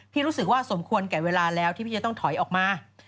รู้สึกว่าสมควรแก่เวลาแล้วที่พี่จะต้องถอยออกมา